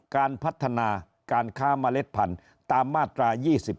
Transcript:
การพัฒนาการค้าเมล็ดพันธุ์ตามมาตรา๒๗